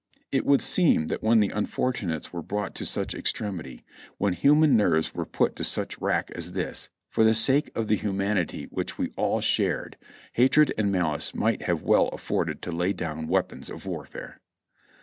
It would seem that when the unfortunates were brought to such extremity, when human nerves were put to such rack as this, for the sake of the humanity which we all shared, hatred and malice might have well afforded to lay down weapons of warfare.